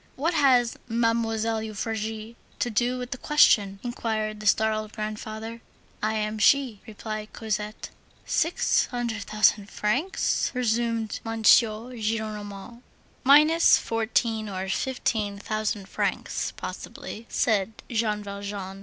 "What has Mademoiselle Euphrasie to do with the question?" inquired the startled grandfather. "I am she," replied Cosette. "Six hundred thousand francs?" resumed M. Gillenormand. "Minus fourteen or fifteen thousand francs, possibly," said Jean Valjean.